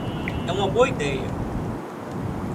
É uma boa ideia!